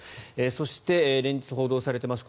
そして、連日報道されています